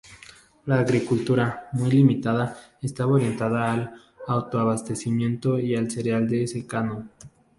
La agricultura, muy limitada, estaba orientada al autoabastecimiento y al cereal de secano.